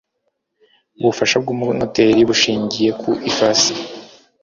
ububasha bw umunoteri bushingiye ku ifasi